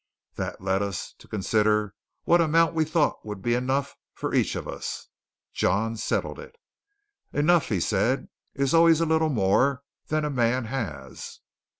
That had led us to consider what amount we thought would be "enough" for each of us. John settled it. "Enough," said he, "is always a little more than a man has."